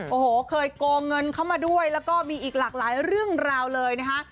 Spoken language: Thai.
โอ้โหเคยโกงเงินเข้ามาด้วยแล้วก็มีอีกหลากหลายเรื่องราวเลยนะคะ